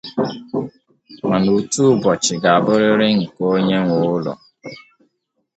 mana otu ụbọchị ga-abụrịrị nke onye nwe ụlọ